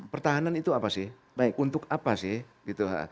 pertahanan itu apa sih untuk apa sih gitu